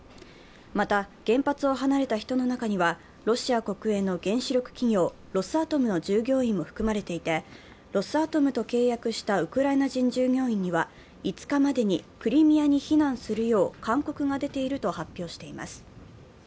また、原発を離れた人の中にはロシア国営の原子力企業ロスアトムの従業員も含まれていて、ロスアトムと契約したウクライナ人従業員には、５日までにクリミアに避難するよう勧告が出ていると発表しています。